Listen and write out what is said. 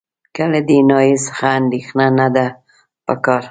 له دې ناحیې څخه اندېښنه نه ده په کار.